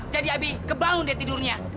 jadi abi kebangun deh tidurnya